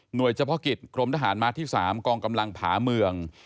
หน่วยเจ้าพ่อกิจกรมทหารมาที่๓กองกำลังผาเมือง